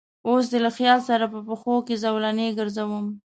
اوس دې له خیال سره په پښو کې زولنې ګرځوم